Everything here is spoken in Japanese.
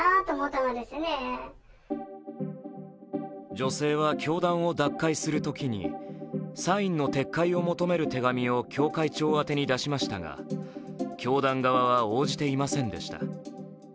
女性は教団を脱会するときにサインの撤回を求める手紙を教会長宛てに出しましたが、教団側は応じていませんでした。